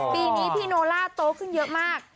ปีนี้พี่โนล่าโต๊ขึ้นเยอะมาก